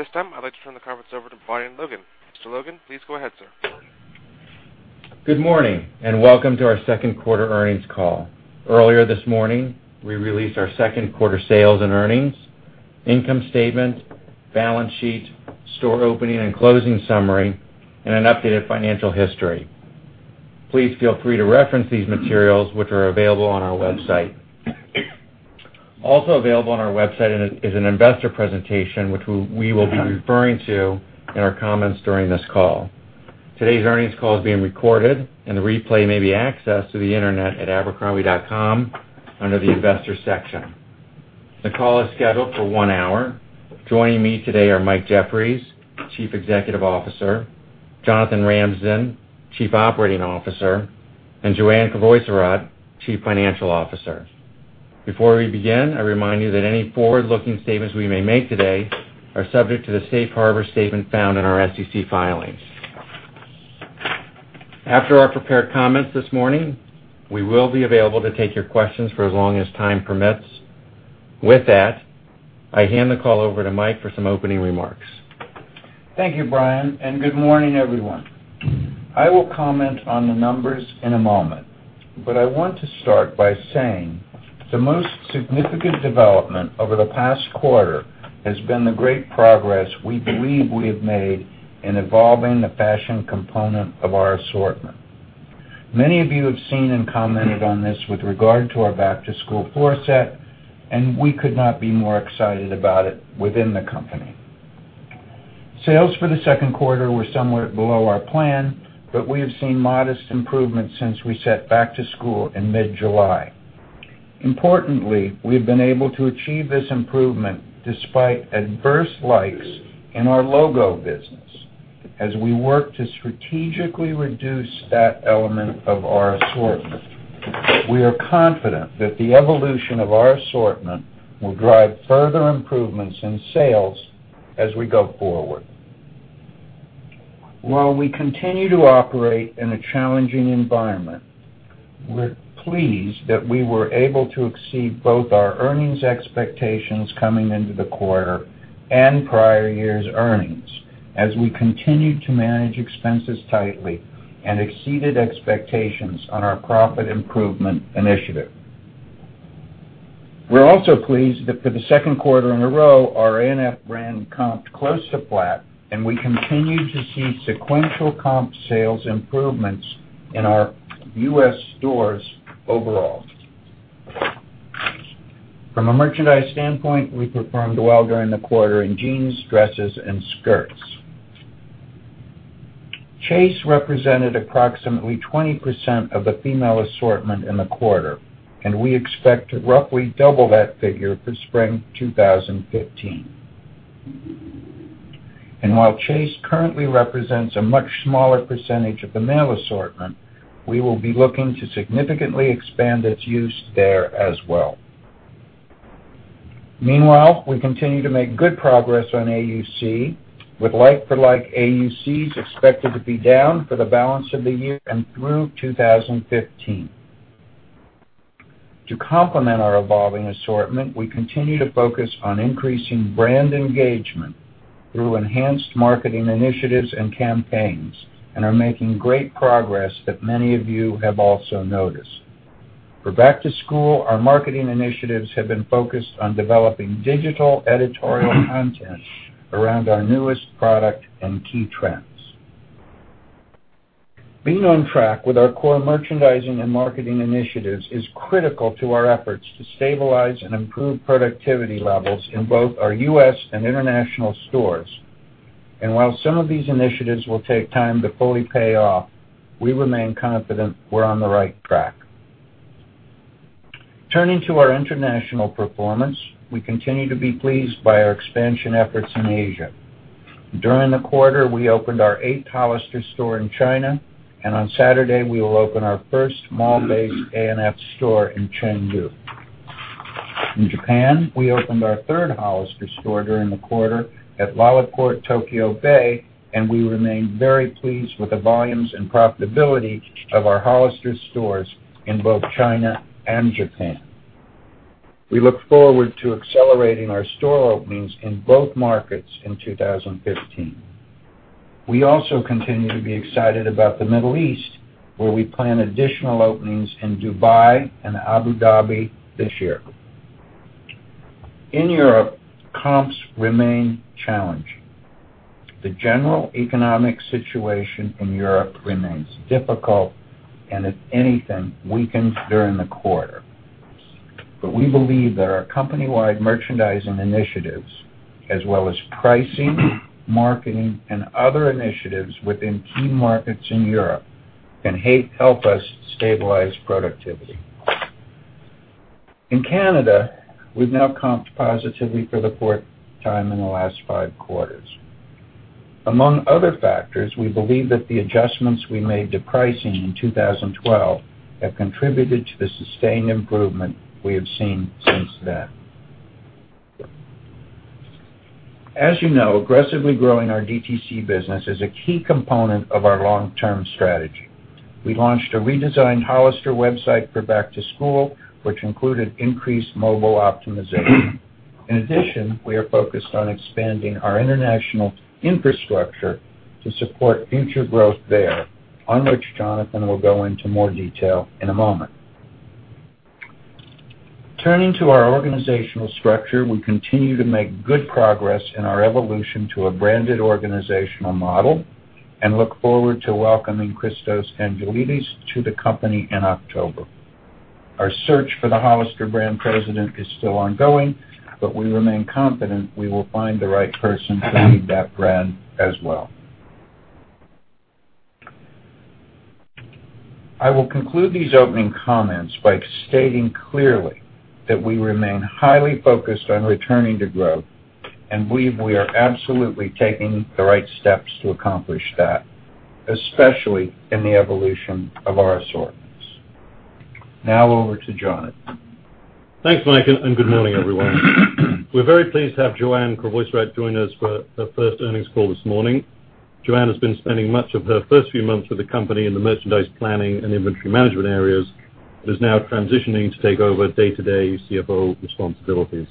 At this time, I'd like to turn the conference over to Brian Logan. Mr. Logan, please go ahead, sir. Good morning. Welcome to our second quarter earnings call. Earlier this morning, we released our second quarter sales and earnings, income statement, balance sheet, store opening and closing summary, and an updated financial history. Please feel free to reference these materials which are available on our website. Also available on our website is an investor presentation, which we will be referring to in our comments during this call. Today's earnings call is being recorded. The replay may be accessed through the Internet at abercrombie.com under the investor section. The call is scheduled for one hour. Joining me today are Mike Jeffries, Chief Executive Officer, Jonathan Ramsden, Chief Operating Officer, and Joanne Crevoiserat, Chief Financial Officer. Before we begin, I remind you that any forward-looking statements we may make today are subject to the safe harbor statement found in our SEC filings. After our prepared comments this morning, we will be available to take your questions for as long as time permits. With that, I hand the call over to Mike for some opening remarks. Thank you, Brian. Good morning, everyone. I will comment on the numbers in a moment. I want to start by saying the most significant development over the past quarter has been the great progress we believe we have made in evolving the fashion component of our assortment. Many of you have seen and commented on this with regard to our back to school floor set. We could not be more excited about it within the company. Sales for the second quarter were somewhat below our plan. We have seen modest improvements since we set back to school in mid-July. Importantly, we've been able to achieve this improvement despite adverse likes in our logo business as we work to strategically reduce that element of our assortment. We are confident that the evolution of our assortment will drive further improvements in sales as we go forward. While we continue to operate in a challenging environment, we're pleased that we were able to exceed both our earnings expectations coming into the quarter and prior year's earnings as we continued to manage expenses tightly and exceeded expectations on our profit improvement initiative. We're also pleased that for the second quarter in a row, our A&F brand comped close to flat, and we continue to see sequential comp sales improvements in our U.S. stores overall. From a merchandise standpoint, we performed well during the quarter in jeans, dresses, and skirts. Chase represented approximately 20% of the female assortment in the quarter, and we expect to roughly double that figure for spring 2015. While Chase currently represents a much smaller percentage of the male assortment, we will be looking to significantly expand its use there as well. Meanwhile, we continue to make good progress on AUC with like for like AUCs expected to be down for the balance of the year and through 2015. To complement our evolving assortment, we continue to focus on increasing brand engagement through enhanced marketing initiatives and campaigns and are making great progress that many of you have also noticed. For back to school, our marketing initiatives have been focused on developing digital editorial content around our newest product and key trends. Being on track with our core merchandising and marketing initiatives is critical to our efforts to stabilize and improve productivity levels in both our U.S. and international stores. While some of these initiatives will take time to fully pay off, we remain confident we're on the right track. Turning to our international performance, we continue to be pleased by our expansion efforts in Asia. During the quarter, we opened our eighth Hollister store in China, and on Saturday we will open our first mall-based A&F store in Chengdu. In Japan, we opened our third Hollister store during the quarter at LaLaport TOKYO-BAY, and we remain very pleased with the volumes and profitability of our Hollister stores in both China and Japan. We look forward to accelerating our store openings in both markets in 2015. We also continue to be excited about the Middle East, where we plan additional openings in Dubai and Abu Dhabi this year. In Europe, comps remain challenging. The general economic situation in Europe remains difficult and if anything, weakened during the quarter. We believe that our company-wide merchandising initiatives as well as pricing, marketing, and other initiatives within key markets in Europe can help us stabilize productivity. In Canada, we've now comped positively for the fourth time in the last five quarters. Among other factors, we believe that the adjustments we made to pricing in 2012 have contributed to the sustained improvement we have seen since then. As you know, aggressively growing our DTC business is a key component of our long-term strategy. We launched a redesigned Hollister website for back to school, which included increased mobile optimization. In addition, we are focused on expanding our international infrastructure to support future growth there, on which Jonathan will go into more detail in a moment. Turning to our organizational structure, we continue to make good progress in our evolution to a branded organizational model, and look forward to welcoming Christos Angelides to the company in October. Our search for the Hollister brand president is still ongoing. We remain confident we will find the right person to lead that brand as well. I will conclude these opening comments by stating clearly that we remain highly focused on returning to growth. Believe we are absolutely taking the right steps to accomplish that, especially in the evolution of our assortments. Now over to Jonathan. Thanks, Mike. Good morning, everyone. We're very pleased to have Joanne Crevoiserat join us for her first earnings call this morning. Joanne has been spending much of her first few months with the company in the merchandise planning and inventory management areas. Is now transitioning to take over day-to-day CFO responsibilities.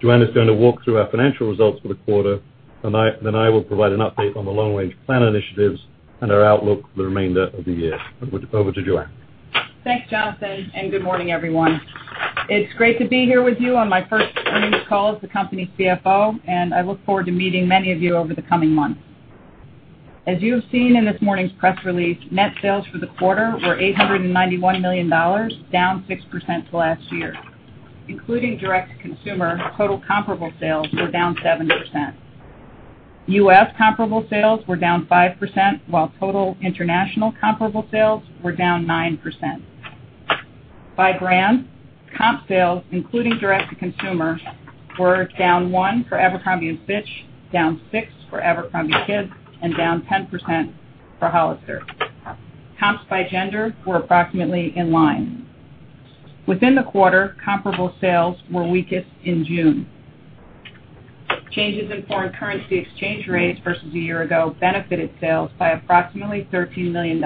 Joanne is going to walk through our financial results for the quarter. I will provide an update on the long-range plan initiatives and our outlook for the remainder of the year. Over to Joanne. Thanks, Jonathan. Good morning, everyone. It's great to be here with you on my first earnings call as the company CFO. I look forward to meeting many of you over the coming months. As you have seen in this morning's press release, net sales for the quarter were $891 million, down 6% to last year. Including direct-to-consumer, total comparable sales were down 7%. U.S. comparable sales were down 5%, while total international comparable sales were down 9%. By brand, comp sales, including direct-to-consumer, were down 1% for Abercrombie & Fitch, down 6% for abercrombie kids, and down 10% for Hollister. Comps by gender were approximately in line. Within the quarter, comparable sales were weakest in June. Changes in foreign currency exchange rates versus a year ago benefited sales by approximately $13 million.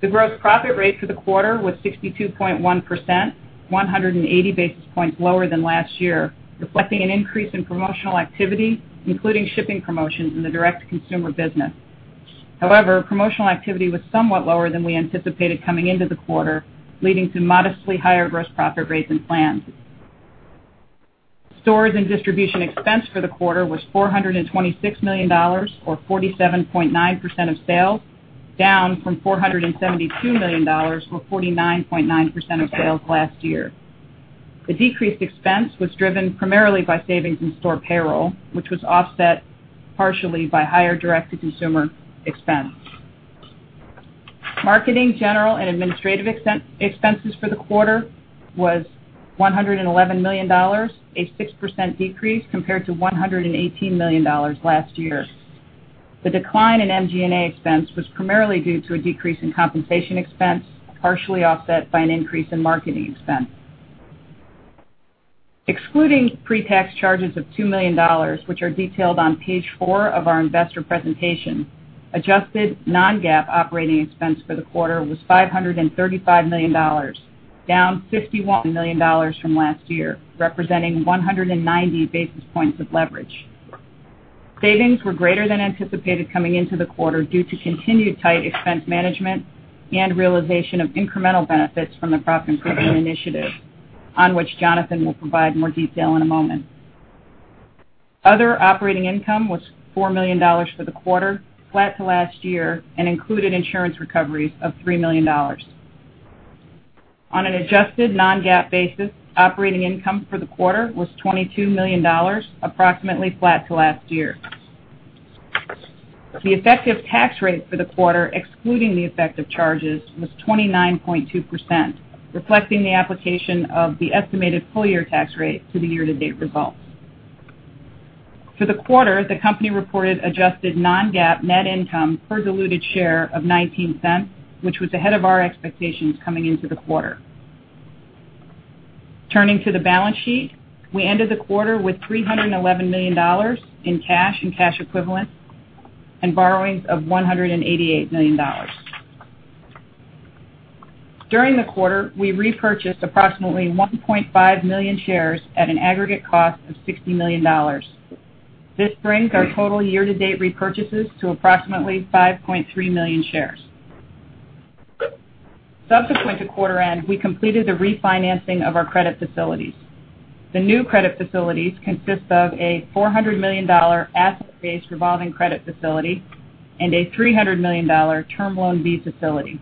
The gross profit rate for the quarter was 62.1%, 180 basis points lower than last year, reflecting an increase in promotional activity, including shipping promotions in the direct-to-consumer business. Promotional activity was somewhat lower than we anticipated coming into the quarter, leading to modestly higher gross profit rates than planned. Stores and distribution expense for the quarter was $426 million, or 47.9% of sales, down from $472 million, or 49.9% of sales last year. The decreased expense was driven primarily by savings in store payroll, which was offset partially by higher direct-to-consumer expense. Marketing, General, and Administrative Expenses for the quarter was $111 million, a 6% decrease compared to $118 million last year. The decline in MG&A expense was primarily due to a decrease in compensation expense, partially offset by an increase in marketing expense. Excluding pre-tax charges of $2 million, which are detailed on page four of our investor presentation, adjusted non-GAAP operating expense for the quarter was $535 million, down $51 million from last year, representing 190 basis points of leverage. Savings were greater than anticipated coming into the quarter due to continued tight expense management and realization of incremental benefits from the profit improvement initiative, on which Jonathan will provide more detail in a moment. Other operating income was $4 million for the quarter, flat to last year, and included insurance recoveries of $3 million. On an adjusted non-GAAP basis, operating income for the quarter was $22 million, approximately flat to last year. The effective tax rate for the quarter, excluding the effect of charges, was 29.2%, reflecting the application of the estimated full-year tax rate to the year-to-date results. For the quarter, the company reported adjusted non-GAAP net income per diluted share of $0.19, which was ahead of our expectations coming into the quarter. Turning to the balance sheet, we ended the quarter with $311 million in cash and cash equivalents and borrowings of $188 million. During the quarter, we repurchased approximately 1.5 million shares at an aggregate cost of $60 million. This brings our total year-to-date repurchases to approximately 5.3 million shares. Subsequent to quarter end, we completed the refinancing of our credit facilities. The new credit facilities consist of a $400 million asset-based revolving credit facility and a $300 million Term Loan B facility.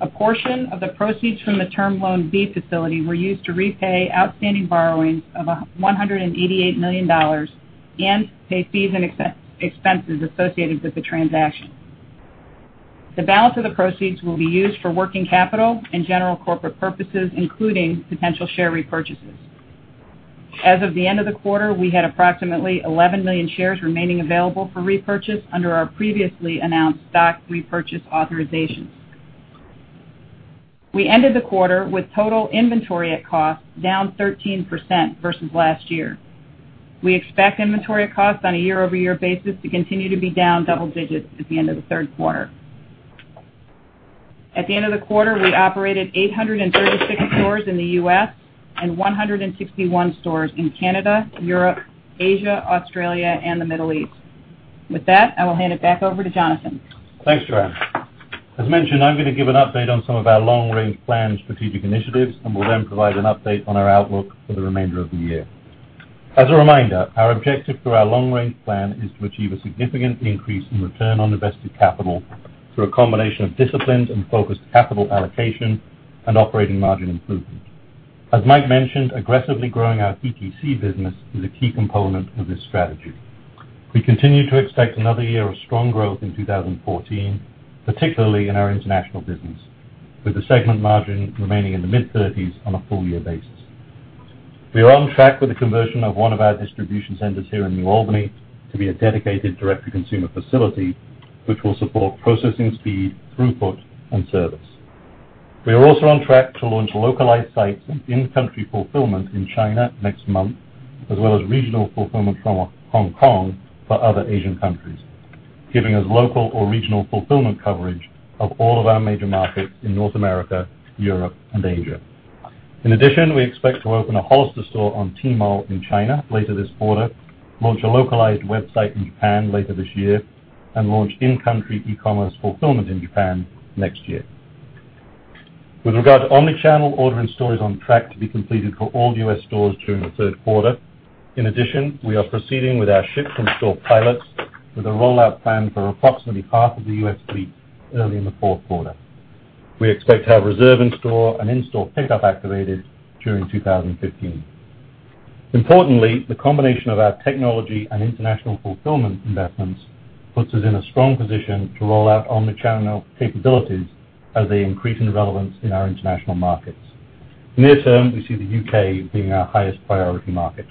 A portion of the proceeds from the Term Loan B facility were used to repay outstanding borrowings of $188 million and pay fees and expenses associated with the transaction. The balance of the proceeds will be used for working capital and general corporate purposes, including potential share repurchases. As of the end of the quarter, we had approximately 11 million shares remaining available for repurchase under our previously announced stock repurchase authorizations. We ended the quarter with total inventory at cost down 13% versus last year. We expect inventory cost on a year-over-year basis to continue to be down double digits at the end of the third quarter. At the end of the quarter, we operated 836 stores in the U.S. and 161 stores in Canada, Europe, Asia, Australia, and the Middle East. With that, I will hand it back over to Jonathan. Thanks, Joanne. As mentioned, I'm going to give an update on some of our long-range plans, strategic initiatives, and will then provide an update on our outlook for the remainder of the year. As a reminder, our objective through our long-range plan is to achieve a significant increase in return on invested capital through a combination of disciplined and focused capital allocation and operating margin improvement. As Mike mentioned, aggressively growing our DTC business is a key component of this strategy. We continue to expect another year of strong growth in 2014, particularly in our international business, with the segment margin remaining in the mid-30s on a full-year basis. We are on track with the conversion of one of our distribution centers here in New Albany to be a dedicated direct-to-consumer facility, which will support processing speed, throughput, and service. We are also on track to launch localized sites and in-country fulfillment in China next month, as well as regional fulfillment from Hong Kong for other Asian countries, giving us local or regional fulfillment coverage of all of our major markets in North America, Europe, and Asia. In addition, we expect to open a Hollister store on Tmall in China later this quarter, launch a localized website in Japan later this year, and launch in-country e-commerce fulfillment in Japan next year. With regard to omnichannel, order in store is on track to be completed for all U.S. stores during the third quarter. In addition, we are proceeding with our ship from store pilots with a rollout plan for approximately half of the U.S. fleet early in the fourth quarter. We expect to have reserve in-store and in-store pickup activated during 2015. Importantly, the combination of our technology and international fulfillment investments puts us in a strong position to roll out omnichannel capabilities as they increase in relevance in our international markets. Near term, we see the U.K. being our highest priority market.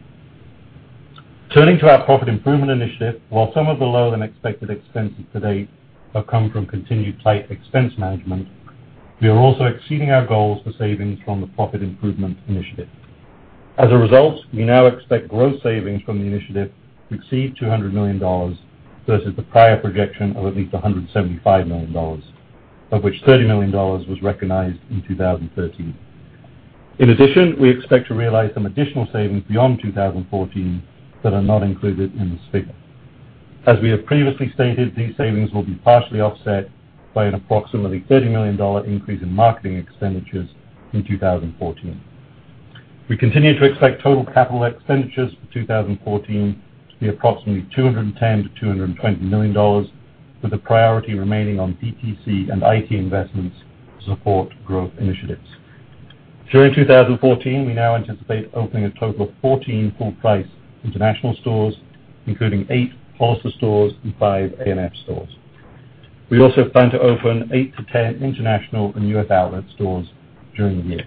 Turning to our profit improvement initiative. While some of the lower-than-expected expenses to date have come from continued tight expense management, we are also exceeding our goals for savings from the profit improvement initiative. As a result, we now expect gross savings from the initiative to exceed $200 million versus the prior projection of at least $175 million, of which $30 million was recognized in 2013. In addition, we expect to realize some additional savings beyond 2014 that are not included in this figure. As we have previously stated, these savings will be partially offset by an approximately $30 million increase in marketing expenditures in 2014. We continue to expect total capital expenditures for 2014 to be approximately $210 million-$220 million, with the priority remaining on DTC and IT investments to support growth initiatives. During 2014, we now anticipate opening a total of 14 full-price international stores, including eight Hollister stores and five A&F stores. We also plan to open eight to 10 international and U.S. outlet stores during the year.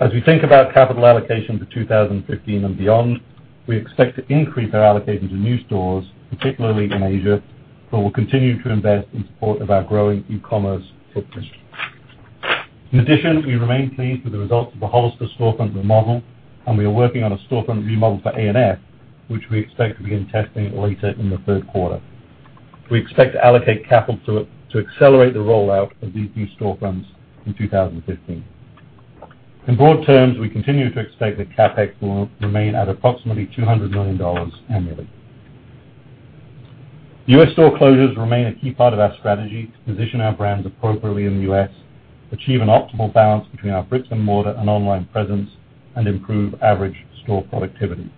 As we think about capital allocation for 2015 and beyond, we expect to increase our allocation to new stores, particularly in Asia, but we'll continue to invest in support of our growing e-commerce footprint. In addition, we remain pleased with the results of the Hollister storefront remodel, and we are working on a storefront remodel for A&F, which we expect to begin testing later in the third quarter. We expect to allocate capital to accelerate the rollout of these new storefronts in 2015. In broad terms, we continue to expect that CapEx will remain at approximately $200 million annually. U.S. store closures remain a key part of our strategy to position our brands appropriately in the U.S., achieve an optimal balance between our bricks and mortar and online presence, and improve average store productivity.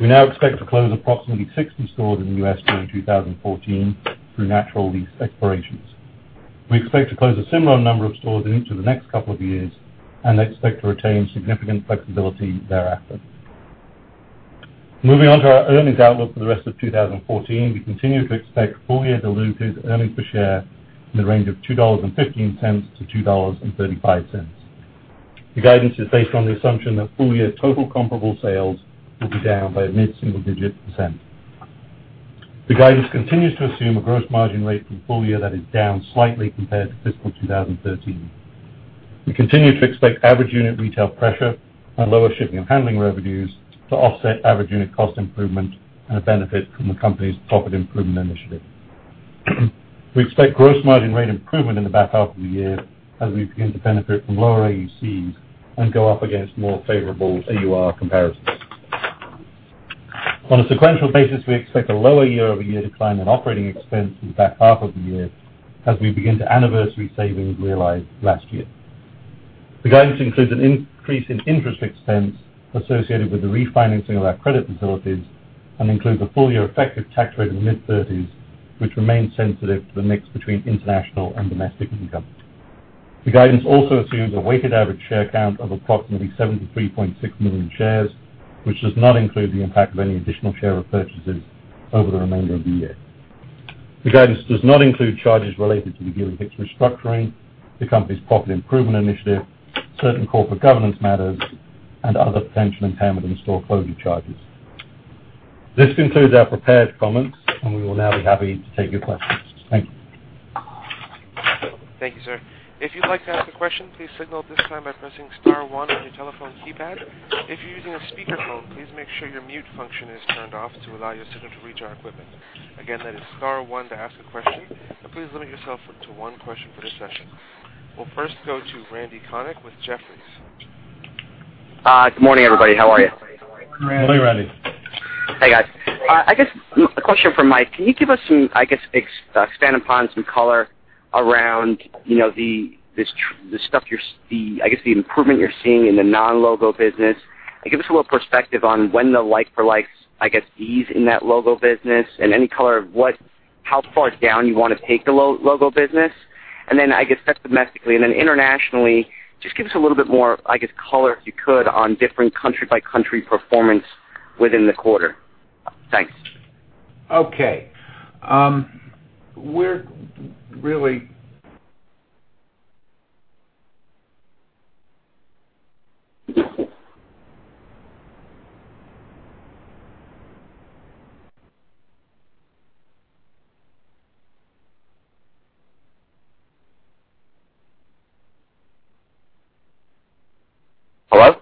We now expect to close approximately 60 stores in the U.S. during 2014 through natural lease expirations. We expect to close a similar number of stores in each of the next couple of years and expect to retain significant flexibility thereafter. Moving on to our earnings outlook for the rest of 2014. We continue to expect full-year diluted earnings per share in the range of $2.15-$2.35. The guidance is based on the assumption that full-year total comparable sales will be down by a mid-single-digit %. The guidance continues to assume a gross margin rate for the full year that is down slightly compared to fiscal 2013. We continue to expect average unit retail pressure on lower shipping and handling revenues to offset average unit cost improvement and a benefit from the company's profit improvement initiative. We expect gross margin rate improvement in the back half of the year as we begin to benefit from lower AUCs and go up against more favorable AUR comparisons. On a sequential basis, we expect a lower year-over-year decline in operating expense in the back half of the year as we begin to anniversary savings realized last year. The guidance includes an increase in interest expense associated with the refinancing of our credit facilities and includes a full-year effective tax rate of mid-30s, which remains sensitive to the mix between international and domestic income. The guidance also assumes a weighted average share count of approximately 73.6 million shares, which does not include the impact of any additional share repurchases over the remainder of the year. The guidance does not include charges related to the Gilly Hicks restructuring, the company's profit improvement initiative, certain corporate governance matters, and other potential impairment and store closure charges. This concludes our prepared comments. We will now be happy to take your questions. Thank you. Thank you, sir. If you'd like to ask a question, please signal at this time by pressing star one on your telephone keypad. If you're using a speakerphone, please make sure your mute function is turned off to allow your signal to reach our equipment. Again, that is star one to ask a question. Please limit yourself to one question for this session. We'll first go to Randal Konik with Jefferies. Good morning, everybody. How are you? Morning, Randy. Hey, guys. A question for Mike. Can you expand upon some color around the improvement you're seeing in the non-logo business, and give us a little perspective on when the like for likes ease in that logo business, and any color of how far down you want to take the logo business. That's domestically, internationally, just give us a little bit more color, if you could, on different country by country performance within the quarter. Thanks. Okay. Hello?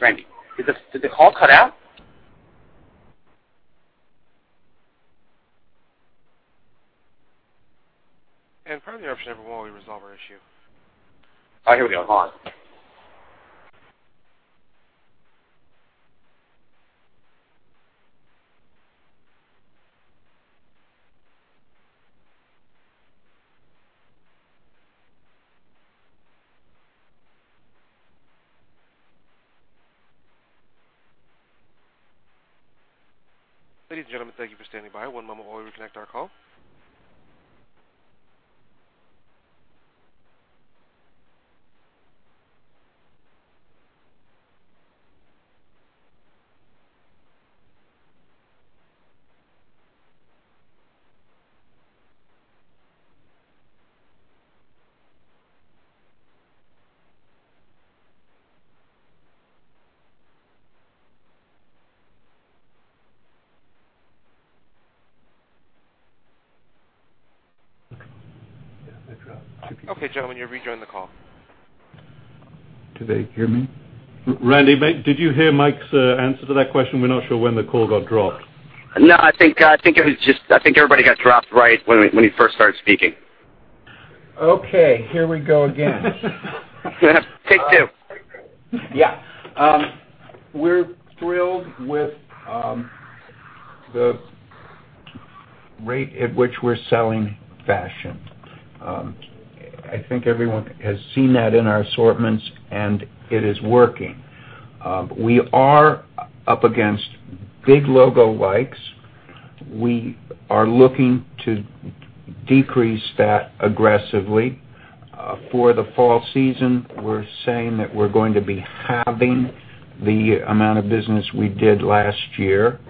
Hey, it's Randy. Did the call cut out? Pardon the interruption, everyone, while we resolve our issue. Here we are. Go on. Ladies and gentlemen, thank you for standing by. One moment while we reconnect our call. Okay, gentlemen, you're rejoined the call. Do they hear me? Randy, did you hear Mike's answer to that question? We're not sure when the call got dropped. No, I think everybody got dropped right when he first started speaking. Okay, here we go again. Take two. Yeah. We're thrilled with the rate at which we're selling fashion. I think everyone has seen that in our assortments, and it is working. We are up against big logo likes. We are looking to decrease that aggressively. For the fall season, we're saying that we're going to be halving the amount of business we did last year.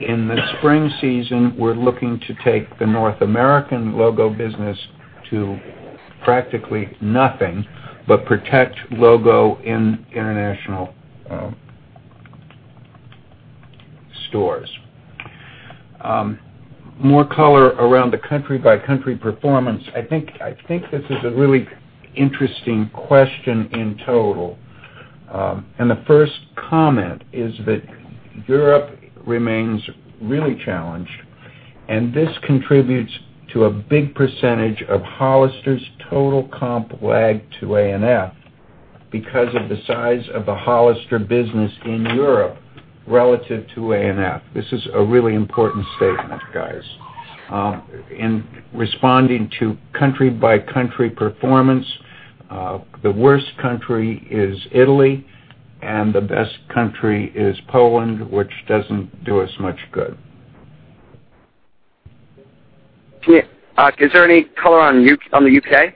In the spring season, we're looking to take the North American logo business to practically nothing but protect logo in international stores. More color around the country by country performance. I think this is a really interesting question in total. The first comment is that Europe remains really challenged, and this contributes to a big percentage of Hollister's total comp lag to ANF because of the size of the Hollister business in Europe relative to ANF. This is a really important statement, guys. In responding to country by country performance, the worst country is Italy and the best country is Poland, which doesn't do us much good. Is there any color on the U.K.?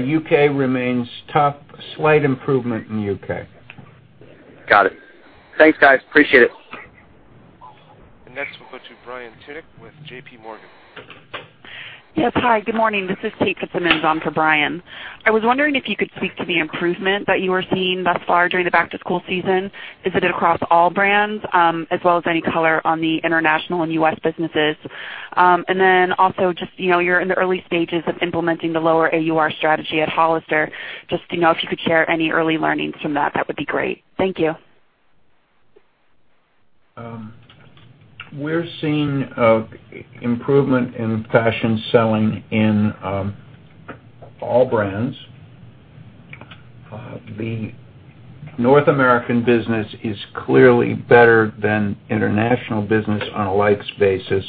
U.K. remains tough. Slight improvement in U.K. Got it. Thanks, guys. Appreciate it. Next, we'll go to Brian Tunick with JPMorgan. Yes, hi. Good morning. This is Kate Fitzsimons on for Brian. I was wondering if you could speak to the improvement that you are seeing thus far during the back-to-school season. Is it across all brands, as well as any color on the international and U.S. businesses? Also, you're in the early stages of implementing the lower AUR strategy at Hollister. Just to know if you could share any early learnings from that would be great. Thank you. We're seeing improvement in fashion selling in all brands. The North American business is clearly better than international business on a like basis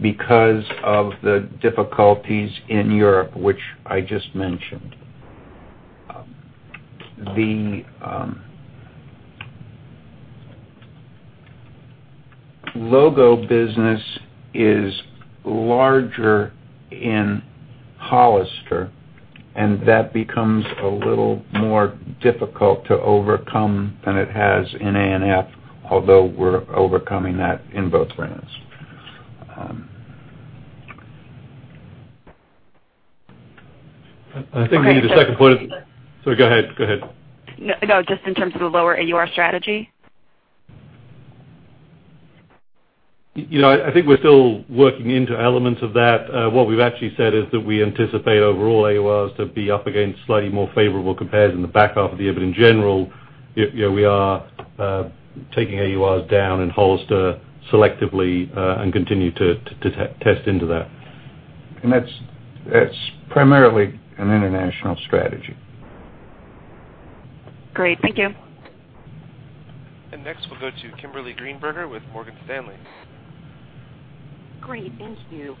because of the difficulties in Europe, which I just mentioned. The logo business is larger in Hollister, and that becomes a little more difficult to overcome than it has in A&F, although we're overcoming that in both brands. I think we need a second point. Sorry, go ahead. No, just in terms of the lower AUR strategy. I think we're still working into elements of that. What we've actually said is that we anticipate overall AURs to be up against slightly more favorable compares in the back half of the year. In general, we are taking AURs down in Hollister selectively, and continue to test into that. That's primarily an international strategy. Great. Thank you. Next, we'll go to Kimberly Greenberger with Morgan Stanley. Great. Thank you.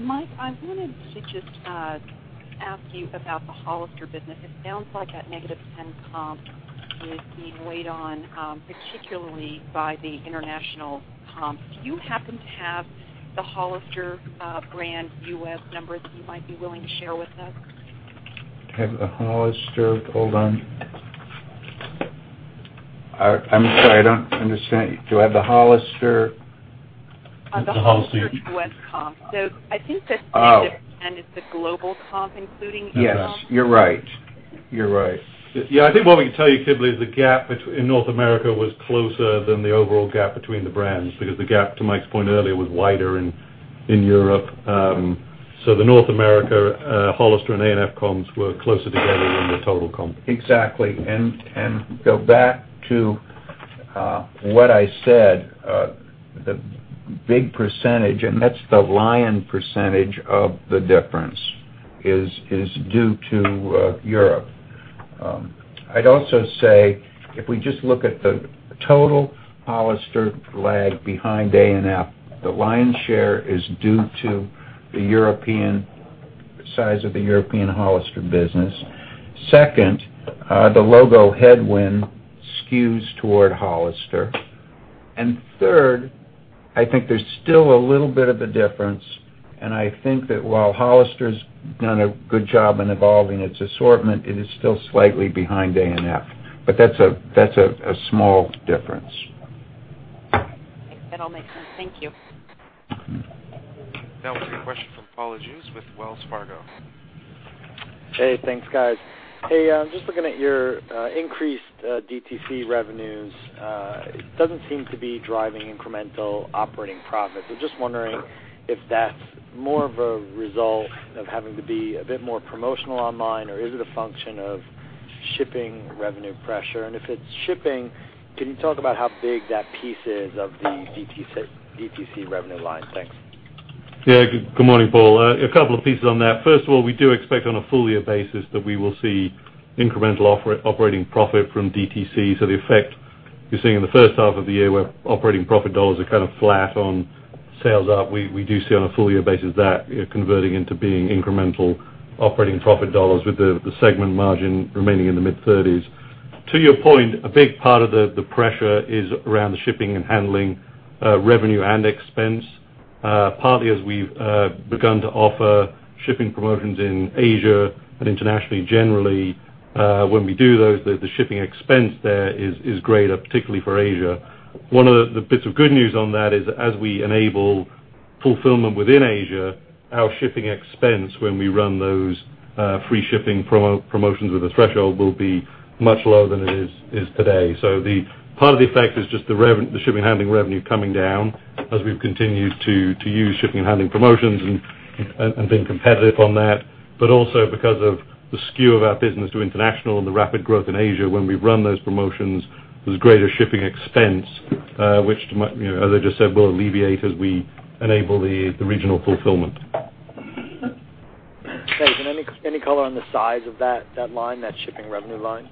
Mike, I wanted to just ask you about the Hollister business. It sounds like that negative 10% comp is being weighed on, particularly by the international comp. Do you happen to have the Hollister brand U.S. numbers that you might be willing to share with us? I have the Hollister. Hold on. I'm sorry, I don't understand. Do I have the Hollister? The Hollister. The Hollister U.S. comp. I think the negative- Oh. -10% is the global comp, including Europe. Yes, you're right. Yeah, I think what we can tell you, Kimberly, is the gap between North America was closer than the overall gap between the brands, because the gap, to Mike's point earlier, was wider in Europe. The North America Hollister and A&F comps were closer together than the total comp. Exactly. Go back to what I said, the big percentage, and that's the lion percentage of the difference, is due to Europe. I'd also say, if we just look at the total Hollister lag behind A&F, the lion's share is due to the size of the European Hollister business. Second, the logo headwind skews toward Hollister. Third, I think there's still a little bit of a difference, and I think that while Hollister's done a good job in evolving its assortment, it is still slightly behind A&F. That's a small difference. That all makes sense. Thank you. Now we'll take a question from Paul Lejuez with Wells Fargo. Hey, thanks guys. Hey, I'm just looking at your increased DTC revenues. It doesn't seem to be driving incremental operating profit. Just wondering if that's more of a result of having to be a bit more promotional online, or is it a function of shipping revenue pressure? If it's shipping, can you talk about how big that piece is of the DTC revenue line? Thanks. Yeah. Good morning, Paul Lejuez. A couple of pieces on that. First of all, we do expect on a full year basis that we will see incremental operating profit from DTC. The effect you're seeing in the first half of the year, where operating profit dollars are kind of flat on sales up, we do see on a full year basis that converting into being incremental operating profit dollars with the segment margin remaining in the mid-thirties. To your point, a big part of the pressure is around the shipping and handling revenue and expense. Partly as we've begun to offer shipping promotions in Asia and internationally. Generally, when we do those, the shipping expense there is greater, particularly for Asia. One of the bits of good news on that is as we enable fulfillment within Asia, our shipping expense when we run those free shipping promotions with a threshold will be much lower than it is today. Part of the effect is just the shipping and handling revenue coming down, as we've continued to use shipping and handling promotions and being competitive on that. Also because of the skew of our business to international and the rapid growth in Asia, when we run those promotions, there's greater shipping expense, which as I just said, will alleviate as we enable the regional fulfillment. Okay. Any color on the size of that line, that shipping revenue line?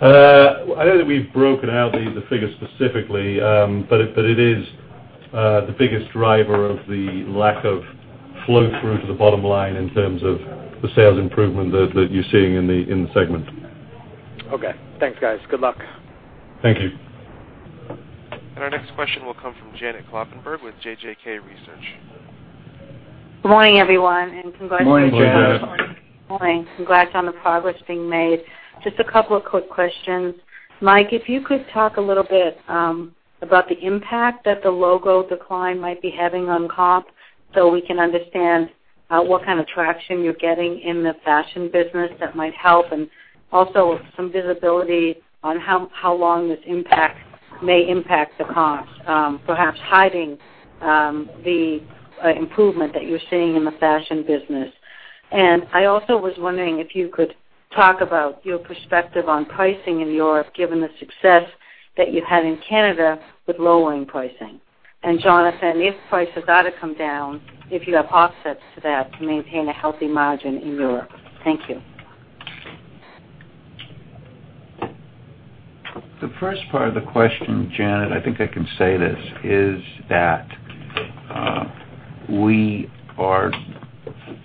I don't know that we've broken out the figure specifically. It is the biggest driver of the lack of flow through to the bottom line in terms of the sales improvement that you're seeing in the segment. Okay. Thanks, guys. Good luck. Thank you. Our next question will come from Janet Kloppenburg with JJK Research. Good morning, everyone, and congratulations. Good morning, Janet. Good morning. Morning. Congrats on the progress being made. Just a couple of quick questions. Mike, if you could talk a little bit about the impact that the logo decline might be having on comp, so we can understand what kind of traction you're getting in the fashion business that might help, and also some visibility on how long this may impact the comps, perhaps hiding the improvement that you're seeing in the fashion business. I also was wondering if you could talk about your perspective on pricing in Europe, given the success. That you had in Canada with lowering pricing. Jonathan, if prices are to come down, if you have offsets to that to maintain a healthy margin in Europe. Thank you. The first part of the question, Janet, I think I can say this, is that we are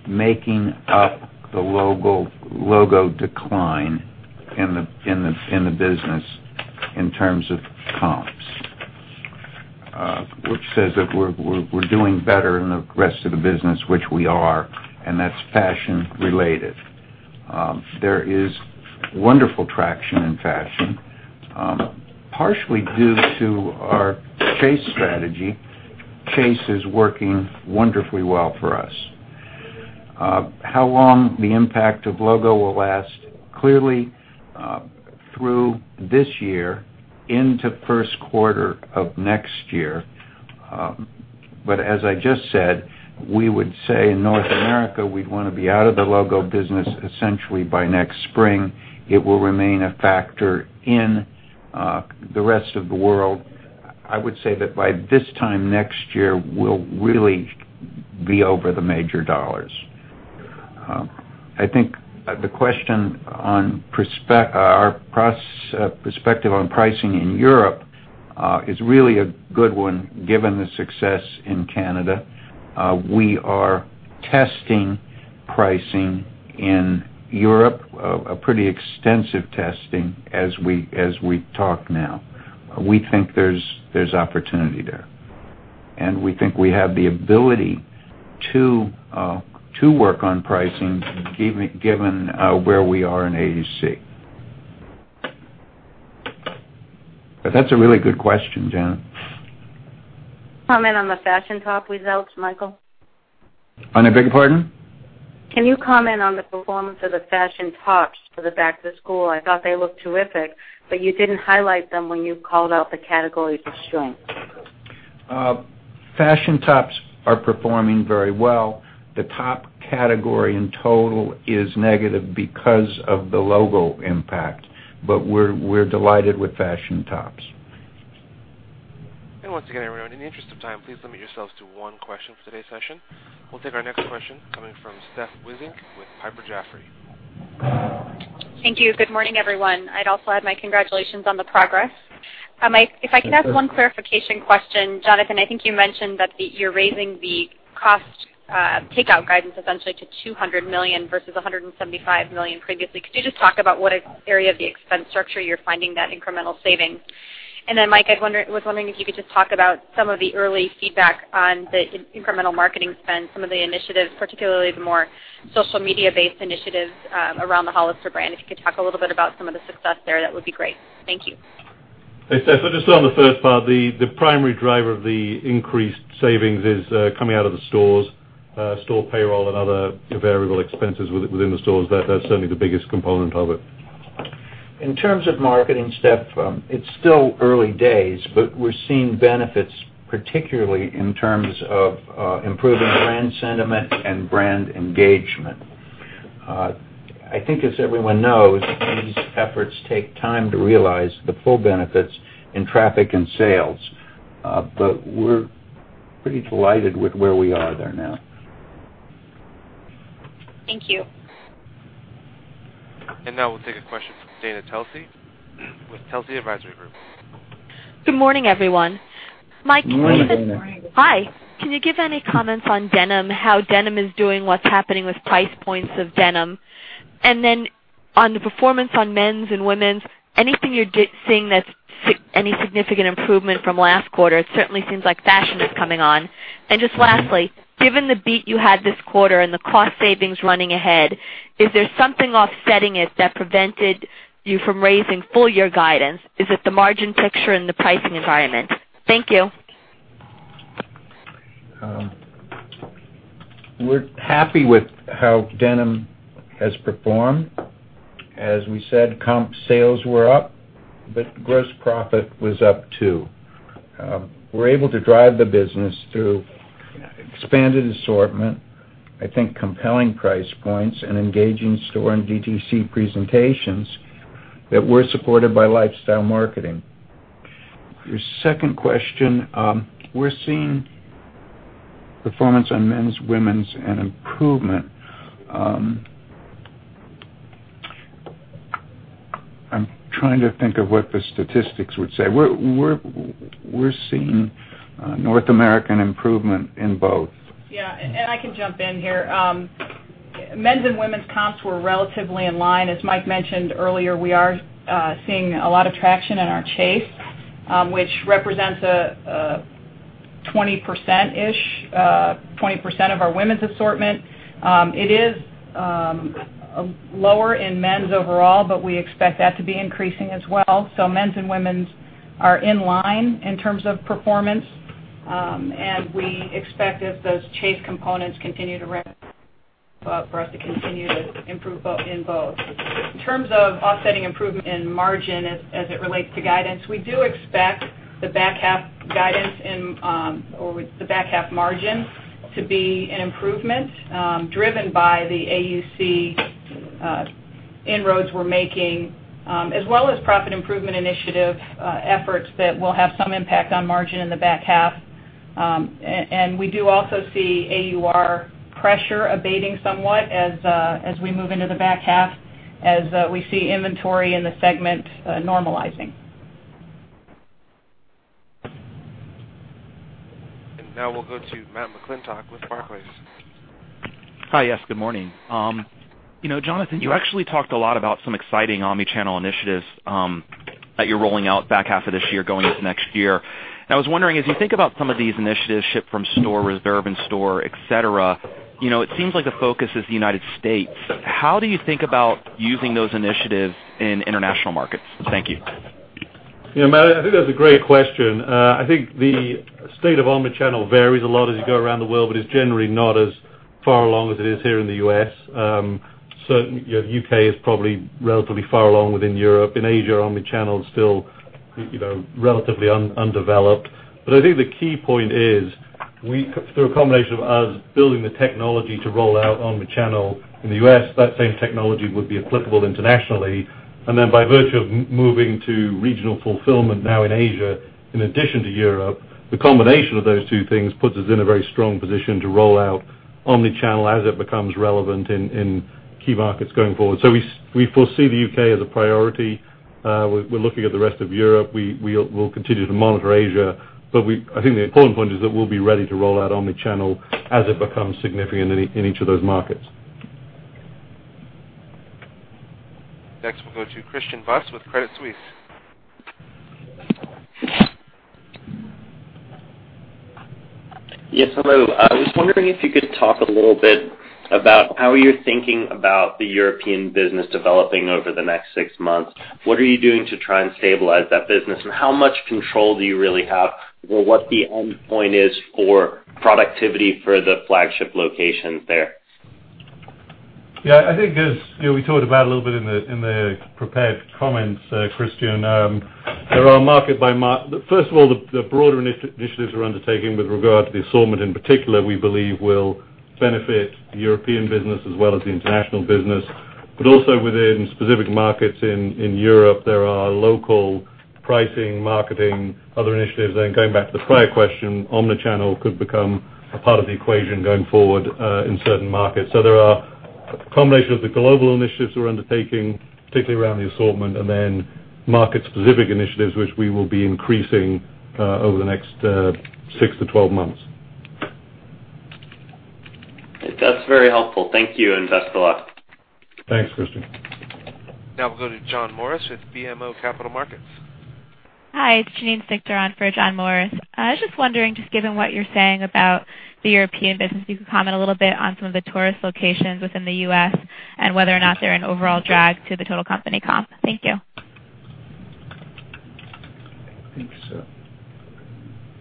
making up the logo decline in the business in terms of comps. Which says that we're doing better in the rest of the business, which we are, and that's fashion related. There is wonderful traction in fashion, partially due to our chase strategy. Chase is working wonderfully well for us. How long the impact of logo will last? Clearly, through this year into first quarter of next year. As I just said, we would say in North America, we'd want to be out of the logo business essentially by next spring. It will remain a factor in the rest of the world. I would say that by this time next year, we'll really be over the major dollars. I think the question on our perspective on pricing in Europe, is really a good one given the success in Canada. We are testing pricing in Europe, a pretty extensive testing as we talk now. We think there's opportunity there. We think we have the ability to work on pricing given where we are in AUC. That's a really good question, Janet. Comment on the fashion top results, Michael? I beg your pardon? Can you comment on the performance of the fashion tops for the back to school? I thought they looked terrific, but you didn't highlight them when you called out the categories of strength. Fashion tops are performing very well. The top category in total is negative because of the logo impact. We're delighted with fashion tops. Once again, everyone, in the interest of time, please limit yourselves to one question for today's session. We'll take our next question coming from Steph Wissink with Piper Jaffray. Thank you. Good morning, everyone. I'd also add my congratulations on the progress. If I could ask one clarification question. Jonathan, I think you mentioned that you're raising the cost takeout guidance essentially to $200 million versus $175 million previously. Could you just talk about what area of the expense structure you're finding that incremental savings? Mike, I was wondering if you could just talk about some of the early feedback on the incremental marketing spend, some of the initiatives, particularly the more social media-based initiatives around the Hollister brand. If you could talk a little bit about some of the success there, that would be great. Thank you. Hey, Steph. Just on the first part, the primary driver of the increased savings is coming out of the stores. Store payroll and other variable expenses within the stores. That's certainly the biggest component of it. In terms of marketing, Steph, it's still early days, we're seeing benefits, particularly in terms of improving brand sentiment and brand engagement. I think as everyone knows, these efforts take time to realize the full benefits in traffic and sales. We're pretty delighted with where we are there now. Thank you. now we'll take a question from Dana Telsey with Telsey Advisory Group. Good morning, everyone. Good morning. Hi. Can you give any comments on denim, how denim is doing, what's happening with price points of denim? Then on the performance on men's and women's, anything you're seeing that's any significant improvement from last quarter? It certainly seems like fashion is coming on. Just lastly, given the beat you had this quarter and the cost savings running ahead, is there something offsetting it that prevented you from raising full year guidance? Is it the margin picture and the pricing environment? Thank you. We're happy with how denim has performed. As we said, comp sales were up, but gross profit was up, too. We're able to drive the business through expanded assortment, I think compelling price points, and engaging store and DTC presentations that were supported by lifestyle marketing. Your second question. We're seeing performance on men's, women's, and improvement. I'm trying to think of what the statistics would say. We're seeing North American improvement in both. Yeah, I can jump in here. Men's and women's comps were relatively in line. As Mike mentioned earlier, we are seeing a lot of traction in our chase, which represents 20% of our women's assortment. It is lower in men's overall, but we expect that to be increasing as well. Men's and women's are in line in terms of performance. We expect as those chase components continue to ramp up for us to continue to improve both in both. In terms of offsetting improvement in margin as it relates to guidance, we do expect the back half margin to be an improvement, driven by the AUC inroads we're making, as well as profit improvement initiative efforts that will have some impact on margin in the back half. We do also see AUR pressure abating somewhat as we move into the back half, as we see inventory in the segment normalizing. Now we'll go to Matt McClintock with Barclays. Hi, yes, good morning. Jonathan, you actually talked a lot about some exciting omni-channel initiatives that you're rolling out back half of this year, going into next year. I was wondering, as you think about some of these initiatives, ship from store, reserve in store, et cetera, it seems like the focus is the U.S. How do you think about using those initiatives in international markets? Thank you. Yeah, Matt, I think that's a great question. I think the state of omni-channel varies a lot as you go around the world, but is generally not as far along as it is here in the U.S. Certainly, U.K. is probably relatively far along within Europe. In Asia, omni-channel is still relatively undeveloped. I think the key point is, through a combination of us building the technology to roll out omni-channel in the U.S., that same technology would be applicable internationally. Then by virtue of moving to regional fulfillment now in Asia, in addition to Europe, the combination of those two things puts us in a very strong position to roll out omni-channel as it becomes relevant in key markets going forward. We foresee the U.K. as a priority. We're looking at the rest of Europe. We'll continue to monitor Asia. I think the important point is that we'll be ready to roll out omni-channel as it becomes significant in each of those markets. Next, we'll go to Christian Buss with Credit Suisse. Yes, hello. I was wondering if you could talk a little bit about how you're thinking about the European business developing over the next six months. What are you doing to try and stabilize that business, and how much control do you really have over what the end point is for productivity for the flagship locations there? Yeah, I think as we talked about a little bit in the prepared comments, Christian, first of all, the broader initiatives we're undertaking with regard to the assortment in particular, we believe will benefit the European business as well as the international business. Also within specific markets in Europe, there are local pricing, marketing, other initiatives. Going back to the prior question, omni-channel could become a part of the equation going forward in certain markets. There are a combination of the global initiatives we're undertaking, particularly around the assortment, and then market-specific initiatives, which we will be increasing over the next six to 12 months. That's very helpful. Thank you, and best of luck. Thanks, Christian. Now we'll go to John Morris with BMO Capital Markets. Hi, it's Janine Stichter for John Morris. I was just wondering, just given what you're saying about the European business, if you could comment a little bit on some of the tourist locations within the U.S. and whether or not they're an overall drag to the total company comp. Thank you. I think so.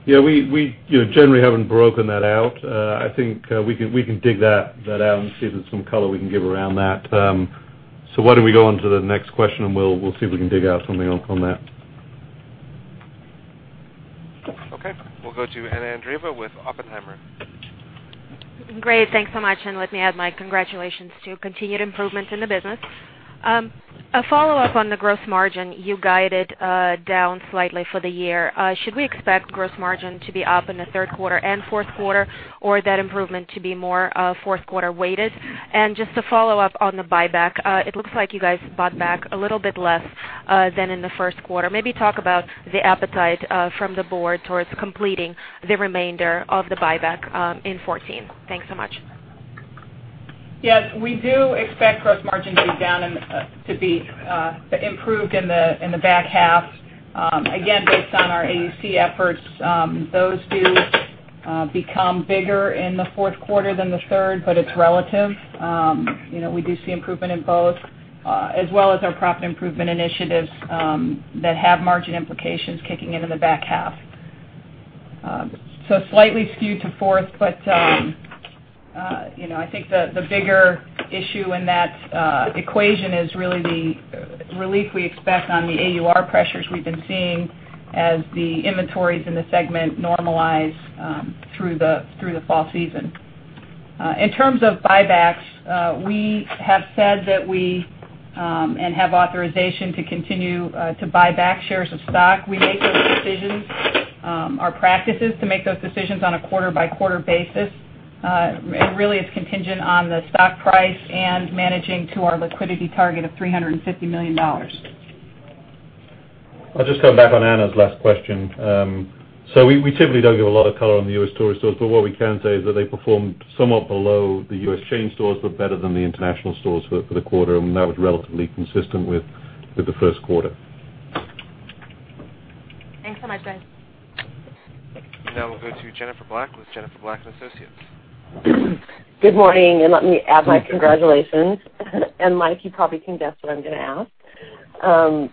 Yeah, we generally haven't broken that out. I think we can dig that out and see if there's some color we can give around that. Why don't we go on to the next question and we'll see if we can dig out something on that. Okay. We'll go to Anna Andreeva with Oppenheimer. Great. Thanks so much. Let me add my congratulations to continued improvement in the business. A follow-up on the gross margin. You guided down slightly for the year. Should we expect gross margin to be up in the third quarter and fourth quarter, or that improvement to be more fourth quarter weighted? Just to follow up on the buyback, it looks like you guys bought back a little bit less than in the first quarter. Maybe talk about the appetite from the board towards completing the remainder of the buyback in 2014. Thanks so much. Yes, we do expect gross margin to be improved in the back half. Again, based on our AUC efforts, those do become bigger in the fourth quarter than the third, but it's relative. We do see improvement in both, as well as our profit improvement initiatives that have margin implications kicking in in the back half. Slightly skewed to fourth, but I think the bigger issue in that equation is really the relief we expect on the AUR pressures we've been seeing as the inventories in the segment normalize through the fall season. In terms of buybacks, we have said that we, and have authorization to continue to buy back shares of stock. We make those decisions. Our practice is to make those decisions on a quarter-by-quarter basis. It really is contingent on the stock price and managing to our liquidity target of $350 million. I'll just come back on Anna's last question. We typically don't give a lot of color on the U.S. tourist stores, but what we can say is that they performed somewhat below the U.S. chain stores, but better than the international stores for the quarter, and that was relatively consistent with the first quarter. Thanks so much, guys. Now we'll go to Jennifer Black with Jennifer Black & Associates. Good morning, let me add my congratulations. Mike, you probably can guess what I'm going to ask.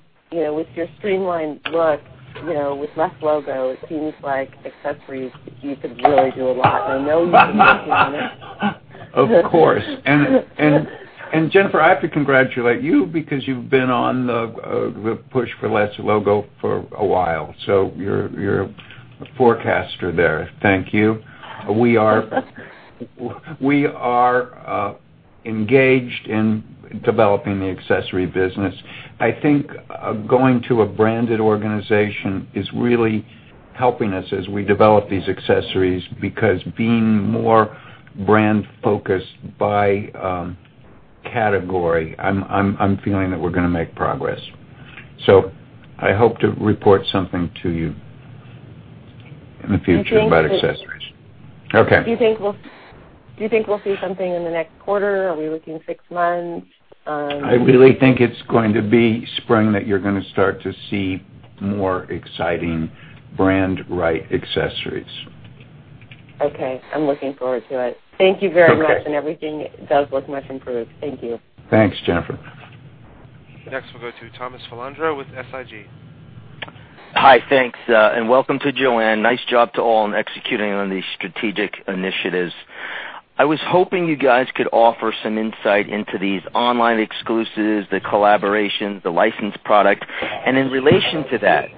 With your streamlined look, with less logo, it seems like accessories, you could really do a lot, I know you've been working on it. Of course. Jennifer, I have to congratulate you because you've been on the push for less logo for a while. You're a forecaster there. Thank you. We are engaged in developing the accessory business. I think going to a branded organization is really helping us as we develop these accessories because being more brand focused by category, I'm feeling that we're going to make progress. I hope to report something to you in the future about accessories. Do you think we'll see something in the next quarter? Are we looking six months? I really think it's going to be spring that you're going to start to see more exciting brand right accessories. Okay. I'm looking forward to it. Thank you very much. Okay. Everything does look much improved. Thank you. Thanks, Jennifer. Next, we'll go to Thomas Filandro with SIG. Hi. Thanks. Welcome to Joanne. Nice job to all in executing on these strategic initiatives. In relation to that,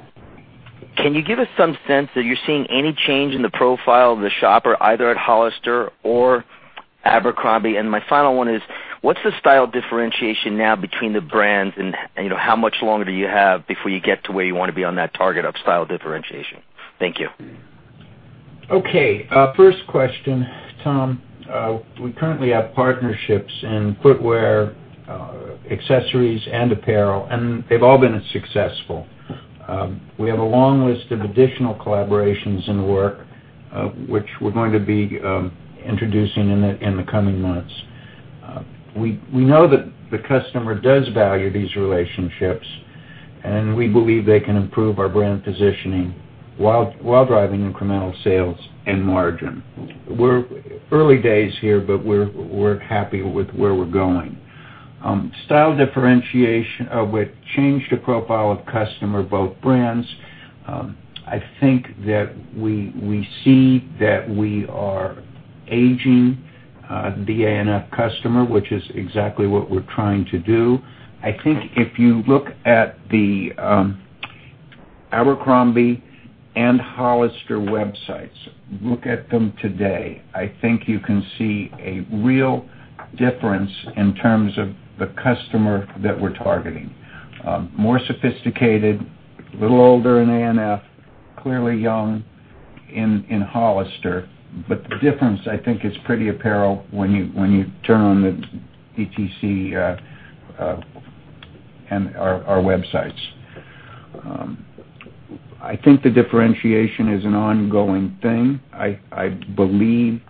can you give us some sense that you're seeing any change in the profile of the shopper, either at Hollister or Abercrombie? My final one is, what's the style differentiation now between the brands and how much longer do you have before you get to where you want to be on that target of style differentiation? Thank you. Okay. First question, Tom. We currently have partnerships in footwear, accessories, and apparel, and they've all been successful. We have a long list of additional collaborations in the work, which we're going to be introducing in the coming months. We know that the customer does value these relationships, and we believe they can improve our brand positioning while driving incremental sales and margin. We're early days here, but we're happy with where we're going. Style differentiation, with change to profile of customer, both brands. I think that we see that we are aging the ANF customer, which is exactly what we're trying to do. I think if you look at the Abercrombie and Hollister websites, look at them today, I think you can see a real difference in terms of the customer that we're targeting. More sophisticated, a little older in ANF, clearly young in Hollister. The difference, I think, is pretty apparel when you turn on the DTC and our websites. I think the differentiation is an ongoing thing. I believe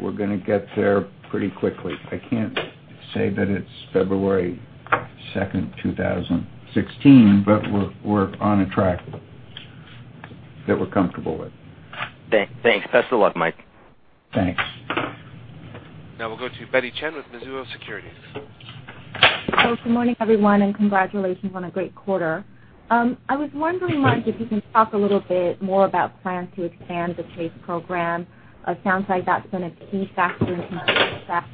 we're going to get there pretty quickly. I can't say that it's February 2nd, 2016, but we're on a track that we're comfortable with. Thanks. Best of luck, Mike. Thanks. Now we'll go to Betty Chen with Mizuho Securities. Good morning, everyone, and congratulations on a great quarter. I was wondering- Thanks. Mike, if you can talk a little bit more about plans to expand the Chase program. It sounds like that's been a key factor in success.